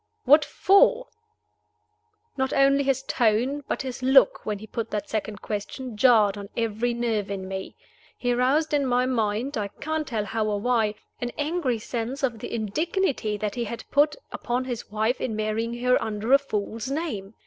"What for?" Not only his tone, but his look, when he put that second question, jarred on every nerve in me. He roused in my mind I can't tell how or why an angry sense of the indignity that he had put upon his wife in marrying her under a false name.